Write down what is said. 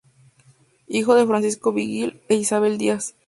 Hijo de Francisco Vigil e Isabel Díaz.